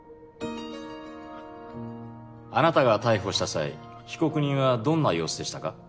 あなたが逮捕した際被告人はどんな様子でしたか？